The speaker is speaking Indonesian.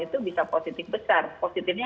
itu bisa positif besar positifnya